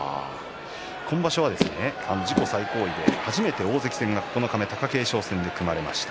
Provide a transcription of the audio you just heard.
今場所は自己最高位で初めて大関戦が九日目貴景勝戦が組まれました。